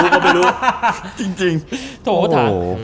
ก็ไม่รู้